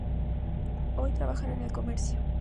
Hoy, trabajan en el comercio.